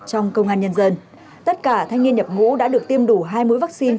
trong công an nhân dân tất cả thanh niên nhập ngũ đã được tiêm đủ hai mũi vaccine